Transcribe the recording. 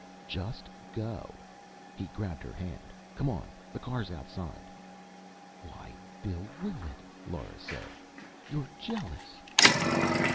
"Just go!" He grabbed her hand. "Come on! The car's outside." "Why, Bill Willet," Lora said. "You're jealous!"